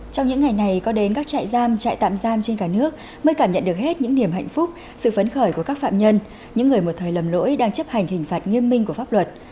trong những ngày này có đến các trại giam trại tạm giam trên cả nước mới cảm nhận được hết những niềm hạnh phúc sự phấn khởi của các phạm nhân những người một thời lầm lỗi đang chấp hành hình phạt nghiêm minh của pháp luật